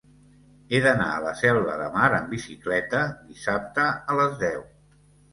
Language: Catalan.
He d'anar a la Selva de Mar amb bicicleta dissabte a les deu.